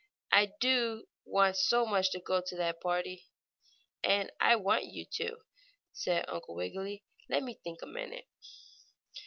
"I do want so much to go to that party." "And I want you to," said Uncle Wiggily. "Let me think a minute."